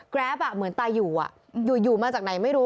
แกรฟอ่ะเหมือนตายอยู่อ่ะอยู่อยู่มาจากไหนไม่รู้